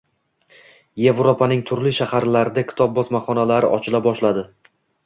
Yevropaning turli shaharlarida kitob bosmaxonalari ochila boshladi.